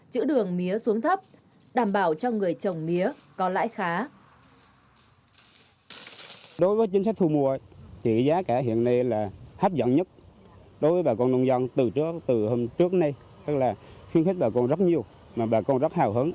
chính sách thu mua đảm bảo cho người trồng mía có lãi khá